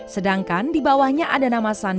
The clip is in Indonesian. sedangkan di bawahnya ada nama nama yang lebih populer